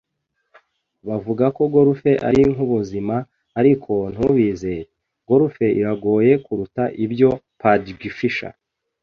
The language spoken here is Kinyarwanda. Bavuga ko golf ari nkubuzima, ariko ntubizere. Golf iragoye kuruta ibyo. (patgfisher)